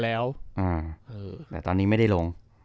แต่ตอนนี้ไม่ได้ลง